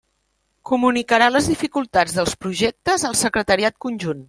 Comunicarà les dificultats dels projectes al Secretariat Conjunt.